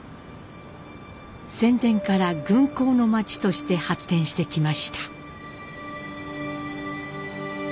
戦前から軍港の町として発展してきました。